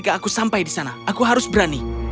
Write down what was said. jika aku sampai di sana aku harus berani